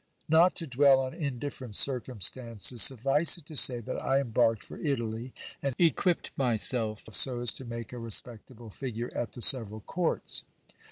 Not to dwell on indifferent circumstances, suffice it to say, that I embarked for Italy, and equipped myself so as to make a respectable figure at the several courts.